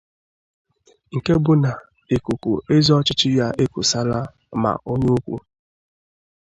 nke bụ na ikuku ezi ọchịchị ya ekusala ma onye ukwu